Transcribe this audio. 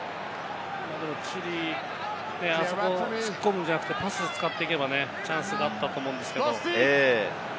チリ、あそこは突っ込むんじゃなくて、パスを使っていけばチャンスがあったと思うんですけれども。